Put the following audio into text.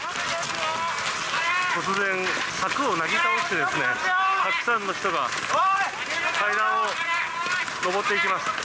突然、柵をなぎ倒してたくさんの人が階段を上っていきます。